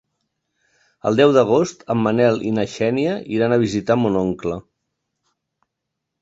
El deu d'agost en Manel i na Xènia iran a visitar mon oncle.